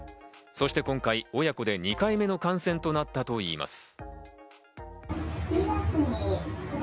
そして今回、親子で２回目の感染となったといいます。